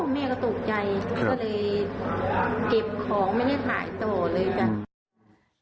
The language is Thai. แม่ก็ตกใจก็เลยเก็บของไม่ได้ขายต่อเลยจ้ะ